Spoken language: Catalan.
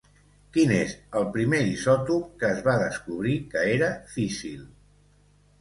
Quin és el primer isòtop que es va descobrir que era físsil?